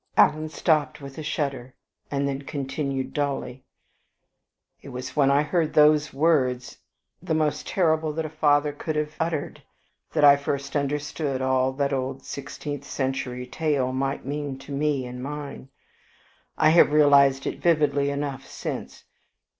'" Alan stopped with a shudder, and then continued, dully, "It was when I heard those words, the most terrible that a father could have uttered, that I first understood all that that old sixteenth century tale might mean to me and mine, I have realized it vividly enough since.